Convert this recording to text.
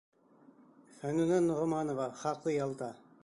Фәнүнә НОҒОМАНОВА, хаҡлы ялда: